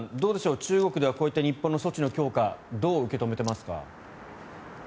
中国ではこういった日本の措置の強化どう受け止めていますか？